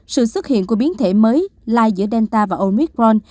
sự xuất hiện của biến thể mới lai giữa delta và omicron